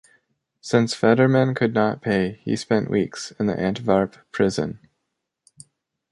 Since Federmann could not pay, he spent weeks in an Antwerp prison.